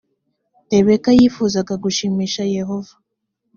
rebeka yifuzaga gushimisha yehova